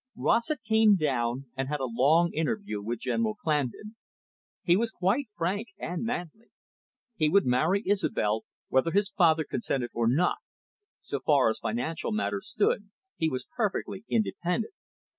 Rossett came down, and had a long interview with General Clandon. He was quite frank and manly. He would marry Isobel whether his father consented or not; so far as financial matters stood, he was perfectly independent.